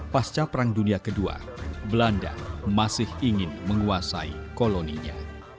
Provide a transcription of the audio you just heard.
pasca perang dunia ii belanda masih ingin menguasai koloninya